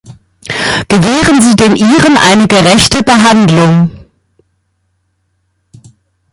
Gewähren Sie den Iren eine gerechte Behandlung!